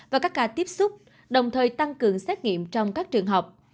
và các ca tiếp xúc đồng thời tăng cường xét nghiệm trong các trường học